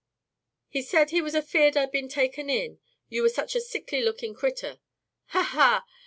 "He said he was 'afeared I'd been taken in, you were such a sickly lookin' critter.' Ha! Ha!